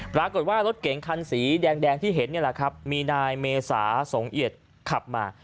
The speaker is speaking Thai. ปรากฏว่ารถเก๋งคันสีแดงที่เห็นนี่แหละครับมีนายเมษาสงเอียดขับมา